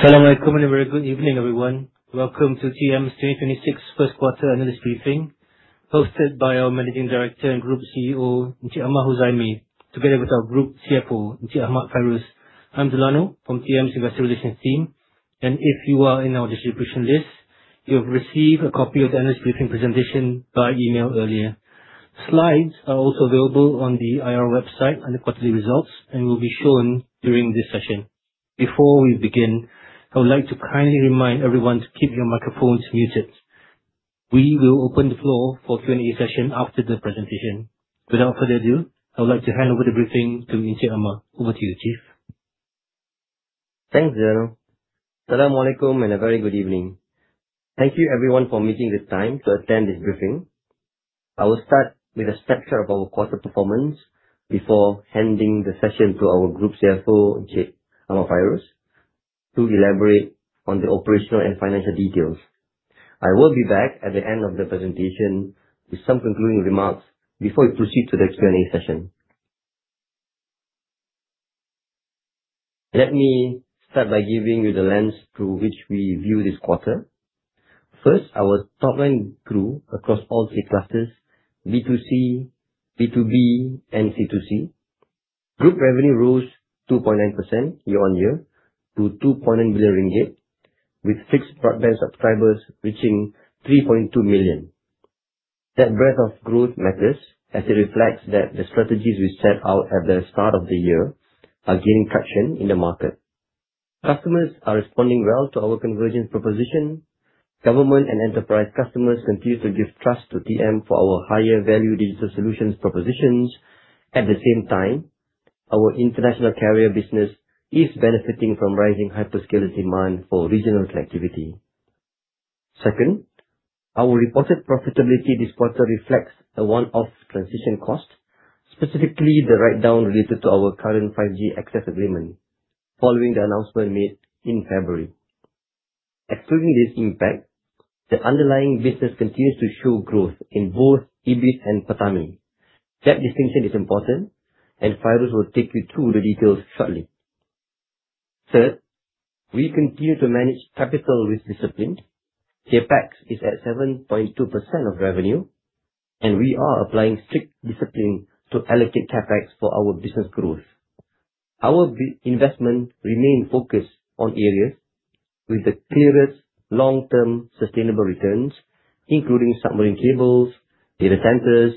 Assalamualaikum and a very good evening, everyone. Welcome to TM's 2026 first quarter analyst briefing, hosted by our Managing Director and Group CEO, Encik Amar Huzaimi, together with our Group CFO, Encik Ahmad Fairus. I'm Delano from TM's investor relations team, and if you are in our distribution list, you'll receive a copy of the analyst briefing presentation by email earlier. Slides are also available on the IR website under quarterly results and will be shown during this session. Before we begin, I would like to kindly remind everyone to keep your microphones muted. We will open the floor for Q&A session after the presentation. Without further ado, I would like to hand over the briefing to Encik Amar. Over to you, Chief. Thanks, Delano. Assalamualaikum and a very good evening. Thank you everyone for making the time to attend this briefing. I will start with a snapshot of our quarter performance before handing the session to our Group CFO, Encik Ahmad Fairus, to elaborate on the operational and financial details. I will be back at the end of the presentation with some concluding remarks before we proceed to the Q&A session. Let me start by giving you the lens through which we view this quarter. First, our top line grew across all three clusters, B2C, B2B, and C2C. Group revenue rose 2.9% year-on-year to 2.9 billion ringgit, with fixed broadband subscribers reaching 3.2 million. That breadth of growth matters as it reflects that the strategies we set out at the start of the year are gaining traction in the market. Customers are responding well to our convergent proposition. Government and enterprise customers continue to give trust to TM for our higher-value digital solutions propositions. At the same time, our international carrier business is benefiting from rising hyperscaler demand for regional connectivity. Second, our reported profitability this quarter reflects a one-off transition cost, specifically the write-down related to our current 5G access agreement following the announcement made in February. Excluding this impact, the underlying business continues to show growth in both EBIT and PATAMI. That distinction is important, and Fairus will take you through the details shortly. Third, we continue to manage capital with discipline. CAPEX is at 7.2% of revenue, and we are applying strict discipline to allocate CAPEX for our business growth. Our investment remains focused on areas with the clearest long-term sustainable returns, including submarine cables, data centers,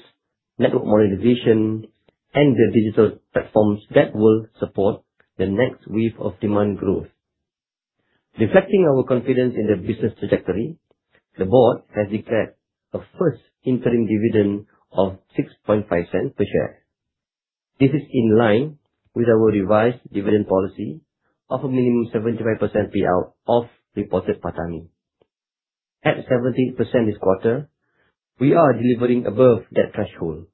network modernization, and the digital platforms that will support the next wave of demand growth. Reflecting our confidence in the business trajectory, the board has declared a first interim dividend of 0.065 per share. This is in line with our revised dividend policy of a minimum 75% payout of reported PATAMI. At 70% this quarter, we are delivering above that threshold.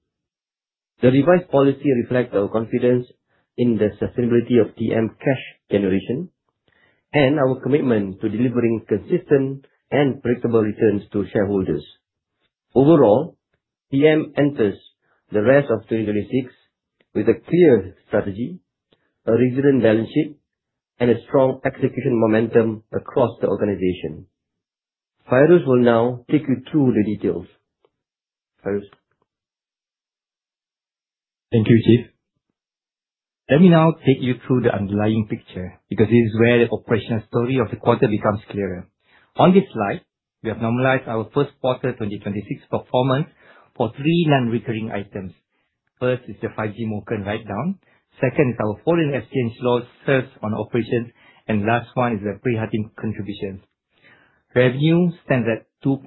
The revised policy reflects our confidence in the sustainability of TM cash generation and our commitment to delivering consistent and predictable returns to shareholders. Overall, TM enters the rest of 2026 with a clear strategy, a resilient balance sheet, and a strong execution momentum across the organization. Fairus will now take you through the details. Fairus. Thank you, Chief. Let me now take you through the underlying picture, because this is where the operational story of the quarter becomes clearer. On this slide, we have normalized our first quarter 2026 performance for three non-recurring items. First is the 5G mobile write-down. Second is our foreign exchange loss. Third, on operations, and last one is the Prihatin contribution. Revenue stands at 2.93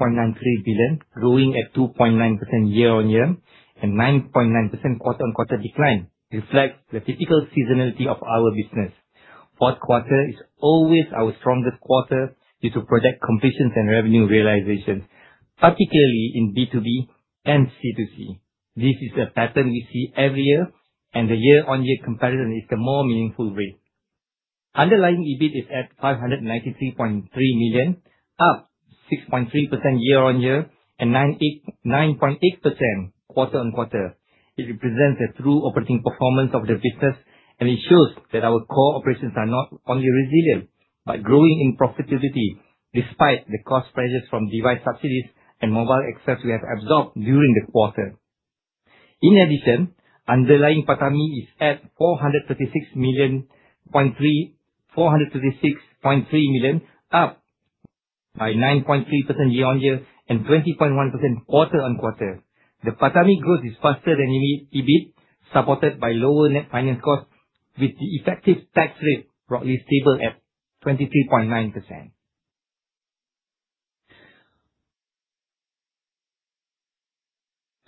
billion, growing at 2.9% year-on-year. 9.9% quarter-on-quarter decline reflects the typical seasonality of our business. Fourth quarter is always our strongest quarter due to project completions and revenue realization, particularly in B2B and C2C. This is a pattern we see every year, and the year-on-year comparison is the more meaningful way. Underlying EBIT is at 593.3 million, up 6.3% year-on-year and 9.8% quarter-on-quarter. It represents the true operating performance of the business, and it shows that our core operations are not only resilient but growing in profitability despite the cost pressures from device subsidies and mobile access we have absorbed during the quarter. In addition, underlying PATAMI is at MYR 436.3 million, up by 9.3% year-on-year and 20.1% quarter-on-quarter. The PATAMI growth is faster than EBIT, supported by lower net finance costs with the effective tax rate roughly stable at 23.9%.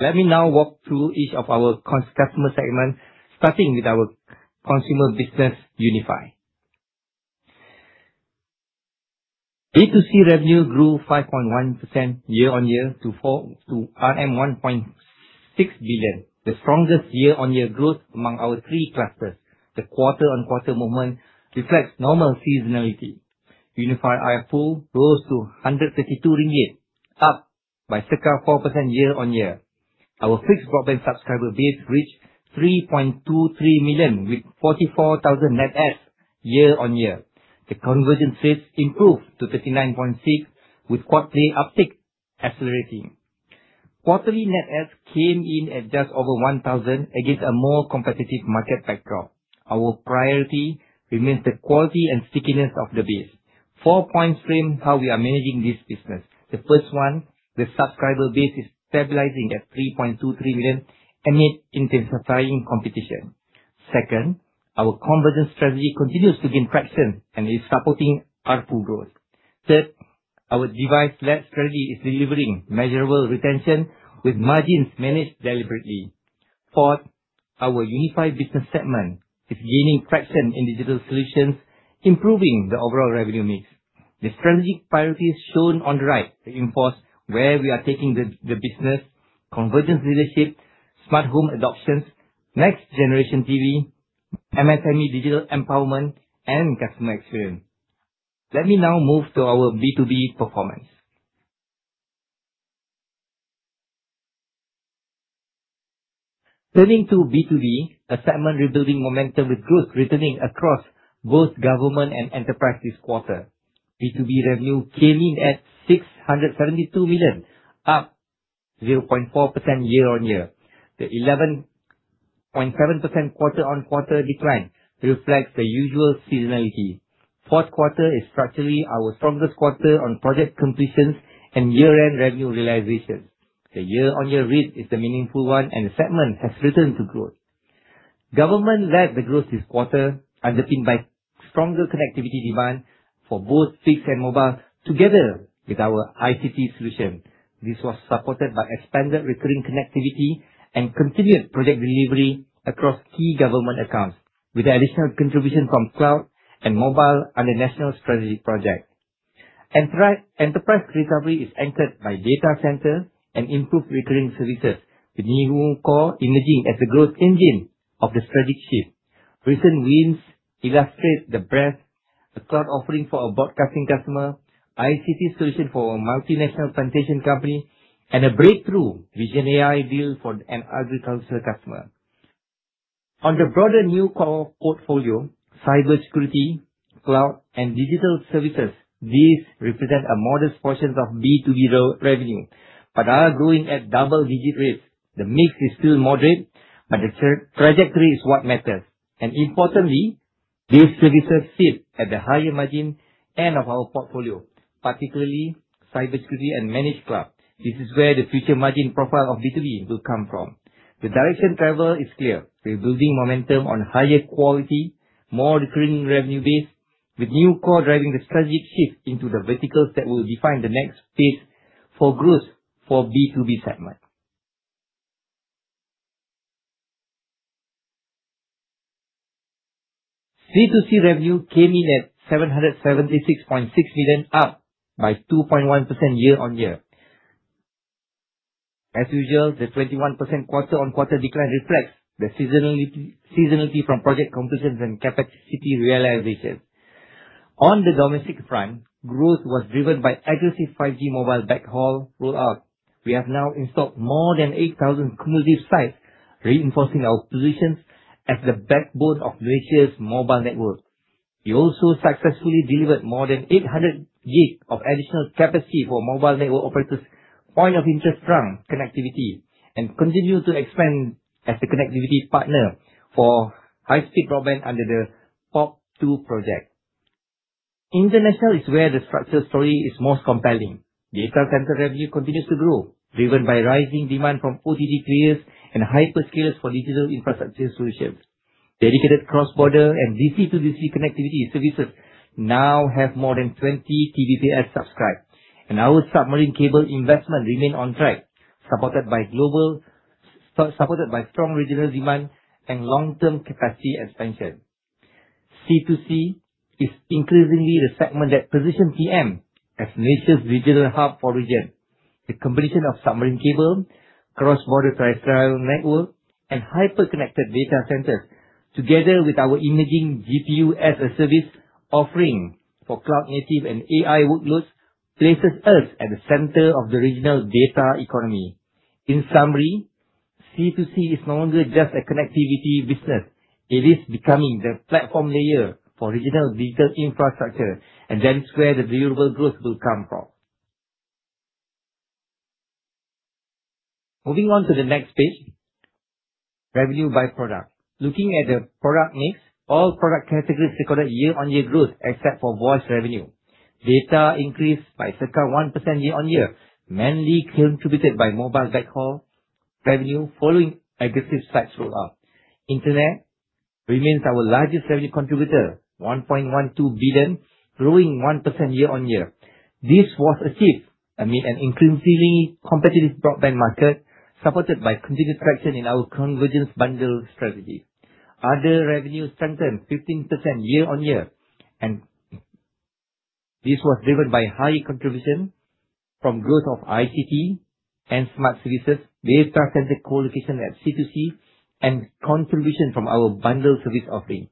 Let me now walk through each of our customer segments, starting with our consumer business, unifi. B2C revenue grew 5.1% year-on-year to MYR 1.6 billion, the strongest year-on-year growth among our three clusters. The quarter-on-quarter movement reflects normal seasonality. unifi ARPU rose to MYR 132, up by circa 4% year-on-year. Our fixed broadband subscriber base reached 3.23 million with 44,000 net adds year-on-year. The convergence rates improved to 39.6% with quad-play uptake accelerating. Quarterly net adds came in at just over 1,000 against a more competitive market backdrop. Our priority remains the quality and stickiness of the base. Four points frame how we are managing this business. The first one, the subscriber base is stabilizing at 3.23 million amid intensifying competition. Second, our convergence strategy continues to gain traction and is supporting ARPU growth. Third, our device-led strategy is delivering measurable retention with margins managed deliberately. Fourth, our unifi business segment is gaining traction in digital solutions, improving the overall revenue mix. The strategic priorities shown on the right reinforce where we are taking the business, convergence leadership, smart home adoptions, next generation TV, MSME digital empowerment, and customer experience. Let me now move to our B2B performance. Turning to B2B, a segment rebuilding momentum with growth returning across both government and enterprise this quarter. B2B revenue came in at 672 million, up 0.4% year-on-year. The 11.7% quarter-on-quarter decline reflects the usual seasonality. Fourth quarter is structurally our strongest quarter on project completions and year-end revenue realization. The year-on-year read is a meaningful one and the segment has returned to growth. Government led the growth this quarter, underpinned by stronger connectivity demand for both fixed and mobile, together with our ICT solution. This was supported by expanded recurring connectivity and continued project delivery across key government accounts, with additional contribution from cloud and mobile under national strategy project. Enterprise recovery is anchored by data center and improved recurring services, with new core emerging as a growth engine of the strategic shift. Recent wins illustrate the breadth of cloud offering for a broadcasting customer, ICT solution for a multinational plantation company, and a breakthrough Vision AI deal for an agriculture customer. On the broader new core portfolio, cybersecurity, cloud, and digital services, these represent a modest portion of B2B revenue but are growing at double-digit rates. The mix is still moderate, but the trajectory is what matters. Importantly, these services sit at the higher-margin end of our portfolio, particularly cybersecurity and managed cloud. This is where the future margin profile of B2B will come from. The direction traveled is clear. We're building momentum on higher quality, more recurring revenue base, with new core driving the strategic shift into the verticals that will define the next phase for growth for B2B segment. C2C revenue came in at 776.6 million, up by 2.1% year-over-year. As usual, the 21% quarter-over-quarter decline reflects the seasonality from project completions and capacity realizations. On the domestic front, growth was driven by aggressive 5G mobile backhaul rollout. We have now installed more than 8,000 cumulative sites, reinforcing our positions as the backbone of Malaysia's mobile network. We also successfully delivered more than 800 GB of additional capacity for mobile network operators' point of interest trunk connectivity and continue to expand as a connectivity partner for high-speed broadband under the PoP2 project. International is where the structural story is most compelling. Data center revenue continues to grow, driven by rising demand from OTT players and hyperscalers for digital infrastructure solutions. Dedicated cross-border and DC-to-DC connectivity services now have more than 20 TBPS subscribed, and our submarine cable investment remains on track, supported by strong regional demand and long-term capacity expansion. C2C is increasingly the segment that positions TM as Malaysia's regional hub for region. The completion of submarine cable, cross-border terrestrial network, and hyper-connected data centers, together with our emerging GPU-as-a-Service offering for cloud-native and AI workloads, places us at the center of the regional data economy. In summary, C2C is no longer just a connectivity business. It is becoming the platform layer for regional digital infrastructure, that's where the durable growth will come from. Moving on to the next page, revenue by product. Looking at the product mix, all product categories recorded year-over-year growth, except for voice revenue. Data increased by circa 1% year-over-year, mainly contributed by mobile backhaul revenue following aggressive site rollout. Internet remains our largest revenue contributor, 1.12 billion, growing 1% year-over-year. This was achieved amid an increasingly competitive broadband market, supported by continued traction in our convergence bundle strategy. Other revenue strengthened 15% year-over-year, this was driven by high contribution from growth of ICT and smart services, data center colocation at C2C, and contribution from our bundled service offering.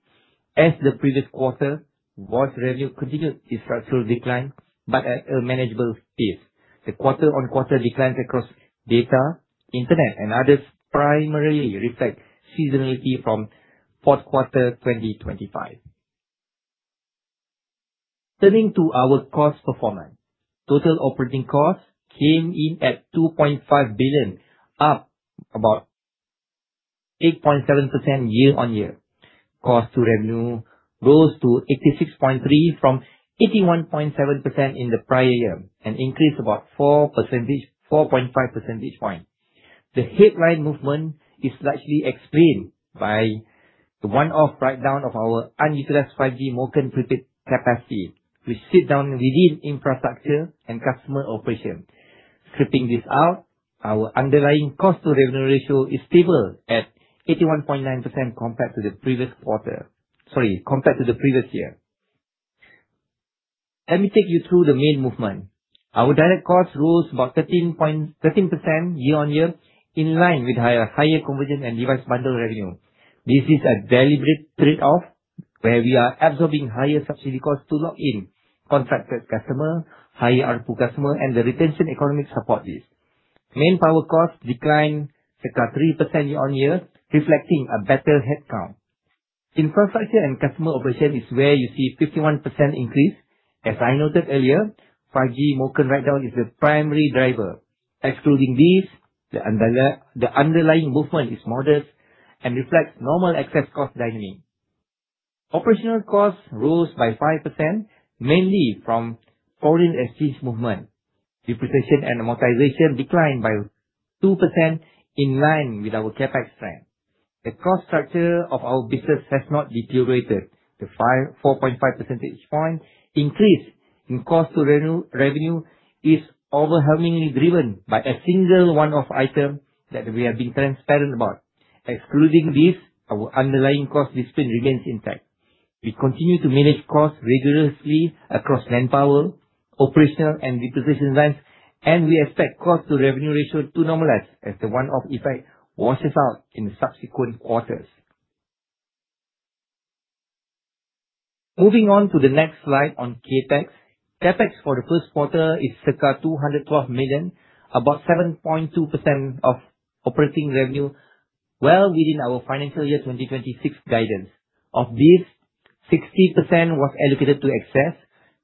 As the previous quarter, voice revenue continued its structural decline but at a manageable pace. The quarter-over-quarter declines across data, internet, and others primarily reflect seasonality from fourth quarter 2025. Turning to our cost performance. Total operating costs came in at 2.5 billion, up about 8.7% year-on-year. Cost-to-revenue rose to 86.3% from 81.7% in the prior year, an increase about 4.5 percentage points. The headline movement is largely explained by the one-off write-down of our unutilized 5G MOCN pre-paid capacity, which sits within infrastructure and customer operation. Stripping this out, our underlying cost-to-revenue ratio is stable at 81.9% compared to the previous year. Let me take you through the main movement. Our direct costs rose about 13% year-on-year, in line with higher convergent and device bundle revenue. This is a deliberate trade-off where we are absorbing higher subsidy costs to lock in contracted customer, higher ARPU customer, and the retention economics support this. Manpower cost declined circa 3% year-on-year, reflecting a better headcount. Infrastructure and customer operation is where you see 51% increase. As I noted earlier, 5G MOCN write-down is the primary driver. Excluding this, the underlying movement is modest and reflects normal access cost dynamic. Operational costs rose by 5%, mainly from foreign exchange movement. Depreciation and amortization declined by 2% in line with our CAPEX plan. The cost structure of our business has not deteriorated. The 4.5 percentage point increase in cost to revenue is overwhelmingly driven by a single one-off item that we are being transparent about. Excluding this, our underlying cost discipline remains intact. We continue to manage costs rigorously across manpower, operational, and depreciation lines, and we expect cost to revenue ratio to normalize as the one-off effect washes out in subsequent quarters. Moving on to the next slide on CAPEX. CAPEX for the first quarter is circa 212 million, about 7.2% of operating revenue, well within our FY 2026 guidance. Of this, 60% was allocated to access,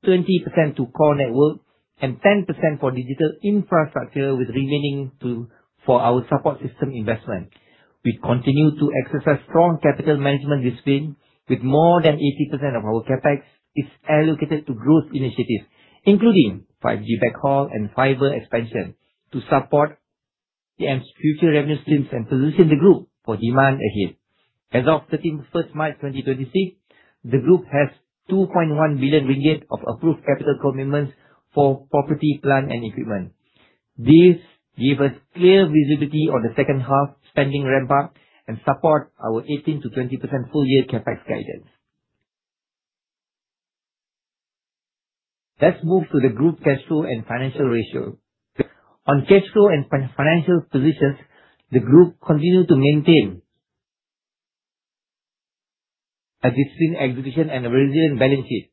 20% to core network, and 10% for digital infrastructure, with remaining for our support system investment. We continue to exercise strong capital management discipline with more than 80% of our CAPEX is allocated to growth initiatives, including 5G backhaul and fiber expansion, to support TM's future revenue streams and position the group for demand ahead. As of 31st March 2026, the group has 2.1 billion ringgit of approved capital commitments for property, plant, and equipment. This gives us clear visibility on the second half spending ramp-up and support our 18%-20% full-year CAPEX guidance. Let's move to the group cash flow and financial ratio. On cash flow and financial positions, the group continue to maintain a disciplined execution and a resilient balance sheet.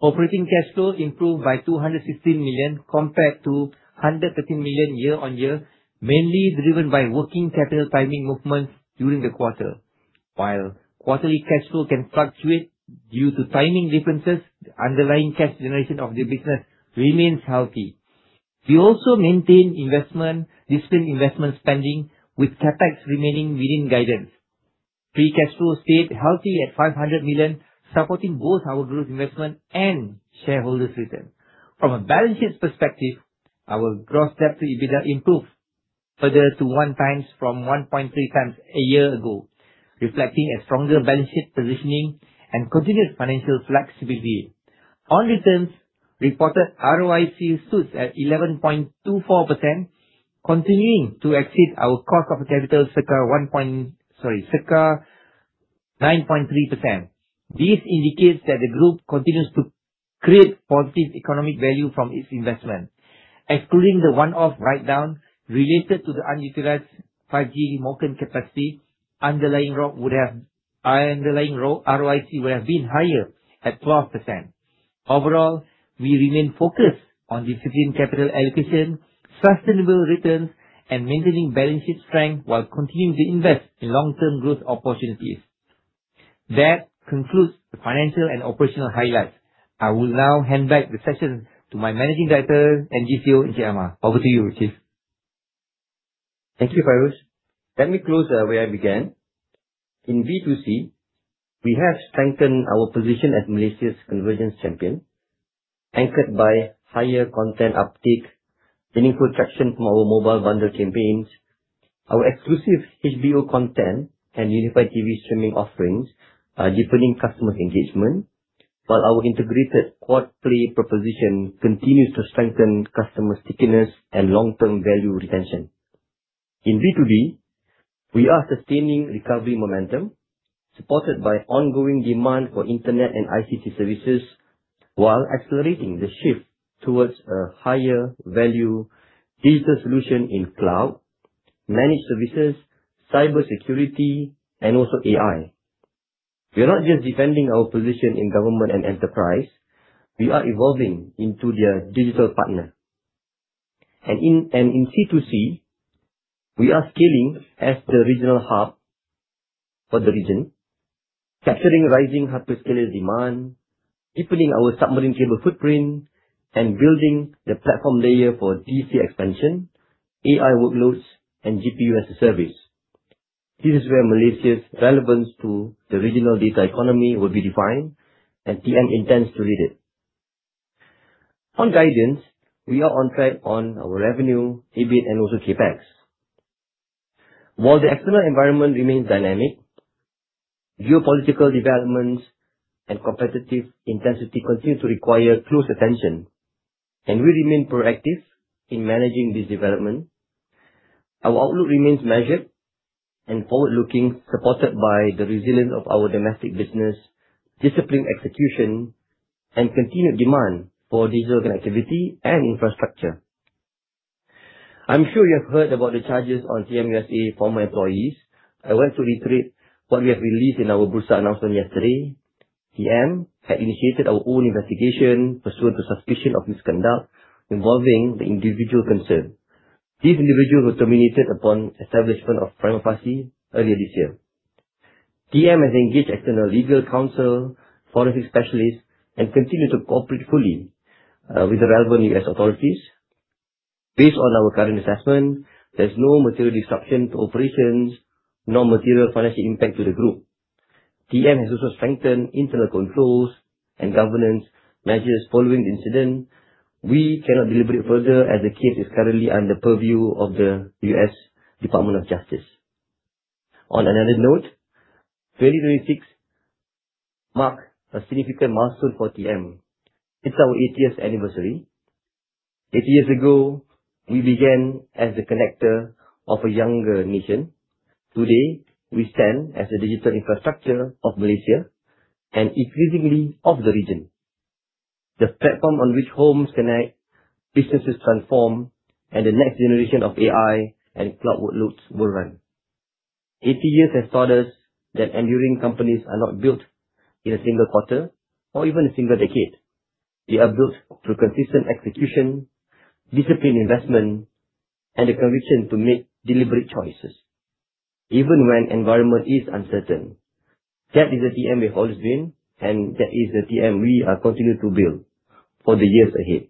Operating cash flow improved by 216 million compared to 113 million year-on-year, mainly driven by working capital timing movements during the quarter. While quarterly cash flow can fluctuate due to timing differences, the underlying cash generation of the business remains healthy. We also maintain disciplined investment spending with CAPEX remaining within guidance. Free cash flow stayed healthy at 500 million, supporting both our growth investment and shareholders return. From a balance sheet perspective, our gross debt to EBITDA improved further to one times from 1.3 times a year ago, reflecting a stronger balance sheet positioning and continued financial flexibility. On returns, reported ROIC stood at 11.24%, continuing to exceed our cost of capital circa 9.3%. This indicates that the group continues to create positive economic value from its investment. Excluding the one-off write-down related to the unutilized 5G MOCN capacity, underlying ROIC would have been higher at 12%. Overall, we remain focused on disciplined capital allocation, sustainable returns, and maintaining balance sheet strength while continuing to invest in long-term growth opportunities. That concludes the financial and operational highlights. I will now hand back the session to my Managing Director and GCEO, Encik Amar. Over to you, chief. Thank you, Fairuz. Let me close where I began. In B2C, we have strengthened our position as Malaysia's convergence champion, anchored by higher content uptake and improved traction from our mobile bundle campaigns. Our exclusive HBO content and unifi TV streaming offerings are deepening customer engagement, while our integrated quad-play proposition continues to strengthen customer stickiness and long-term value retention. In B2B, we are sustaining recovery momentum, supported by ongoing demand for internet and ICT services while accelerating the shift towards a higher-value digital solution in cloud, managed services, cybersecurity, and also AI. We are not just defending our position in government and enterprise, we are evolving into their digital partner. In C2C, we are scaling as the regional hub for the region, capturing rising hyperscaler demand, deepening our submarine cable footprint, and building the platform layer for DC expansion, AI workloads, and GPU-as-a-Service. This is where Malaysia's relevance to the regional data economy will be defined, and TM intends to lead it. On guidance, we are on track on our revenue, EBIT, and also CAPEX. While the external environment remains dynamic, geopolitical developments and competitive intensity continue to require close attention, we remain proactive in managing this development. Our outlook remains measured and forward-looking, supported by the resilience of our domestic business, disciplined execution, and continued demand for digital connectivity and infrastructure. I'm sure you have heard about the charges on TM U.S.A. former employees. I want to reiterate what we have released in our Bursa announcement yesterday. TM had initiated our own investigation pursuant to suspicion of misconduct involving the individual concerned. These individuals were terminated upon establishment of prima facie earlier this year. TM has engaged external legal counsel, forensic specialists, and continue to cooperate fully with the relevant U.S. authorities. Based on our current assessment, there's no material disruption to operations, no material financial impact to the Group. TM has also strengthened internal controls and governance measures following the incident. We cannot deliberate further, as the case is currently under the purview of the U.S. Department of Justice. On another note, 2026 marks a significant milestone for TM. It's our 80th anniversary. 80 years ago, we began as the connector of a younger nation. Today, we stand as the digital infrastructure of Malaysia and increasingly of the region. The platform on which homes connect, businesses transform, and the next generation of AI and cloud workloads will run. 80 years has taught us that enduring companies are not built in a single quarter or even a single decade. They are built through consistent execution, disciplined investment, and a conviction to make deliberate choices, even when environment is uncertain. That is the TM we've always been, and that is the TM we are continuing to build for the years ahead.